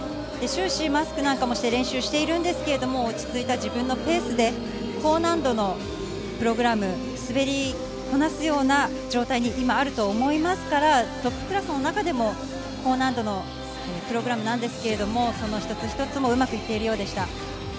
終始マスクなんかもして練習しているんですが、自分の落ち着いたペースで高難度のプログラムを滑りこなすような状態に今あると思いますから、トップクラスの中でも高難度のプログラムなんですけど、その一つ一つもうまくいっているようでした。